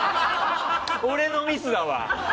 俺のミスだわ。